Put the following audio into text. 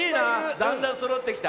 だんだんそろってきた。